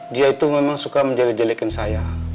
dia itu memang suka menjadi jelekin saya